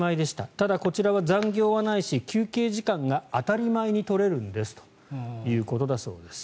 ただこちらは残業はないし休憩時間が当たり前に取れるんですということだそうです。